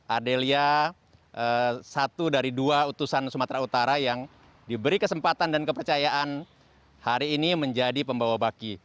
adelia satu dari dua utusan sumatera utara yang diberi kesempatan dan kepercayaan hari ini menjadi pembawa baki